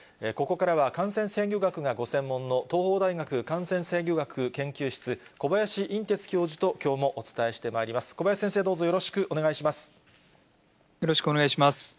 ここからは感染制御学がご専門の東邦大学感染制御学研究室、小林寅てつ教授ときょうもお伝えしてまいります。